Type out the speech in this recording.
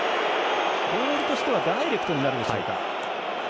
ボールとしてはダイレクトになるでしょうか。